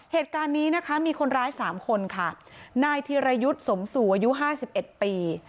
เหตุการณ์นี้มีคนร้าย๓คนค่ะนายธิรยุทธ์สมสู่อายุ๕๑ปี